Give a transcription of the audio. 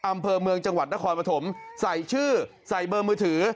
อำเภอเมืองจังหวัดนครปฐมใส่ชื่อใส่เบอร์มือถือ